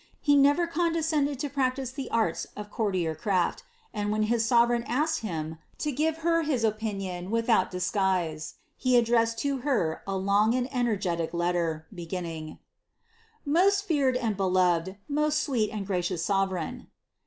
He nerer eoodescended to practise the arts of courtier craft ; and when his sove reign asked him to give her his opinion without disguise, he addressed to her a long and enerffetic letter, beginning :— ^Most feared and be loved, most sweet and gracious sovereign."